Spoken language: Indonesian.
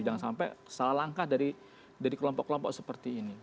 jangan sampai salah langkah dari kelompok kelompok seperti ini